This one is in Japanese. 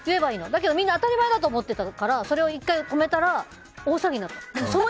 だけどみんな当たり前だと思ってたから１回やめたら大騒ぎになったの。